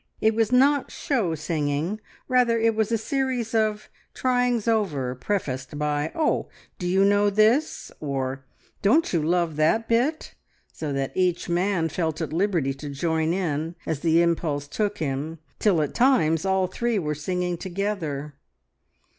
It was not show singing rather was it a series of "tryings over," prefaced by "Oh, do you know this?" or "Don't you love that bit?" so that each man felt at liberty to join in as the impulse took him, till at times all three were singing together.